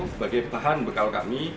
sebagai bahan bekal kami